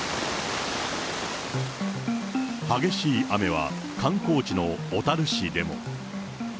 激しい雨は観光地の小樽市でも。